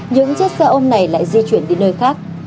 những chiếc xe ôm này lại di chuyển đi nơi khác